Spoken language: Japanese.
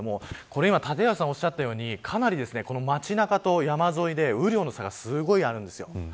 今、立岩さんがおっしゃったようにかなり街中と山沿いで雨量の差がすごいあるんです。